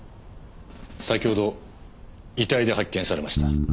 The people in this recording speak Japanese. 先ほど遺体で発見されました。